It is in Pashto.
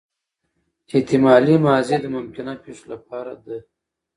احتمالي ماضي د ممکنه پېښو له پاره ده.